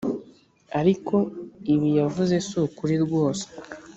ariko ibi yavuze si ukuri rwose.